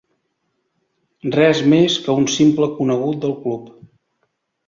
Res més que un simple conegut del club.